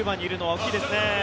大きいですね。